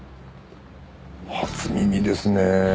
初耳ですねえ。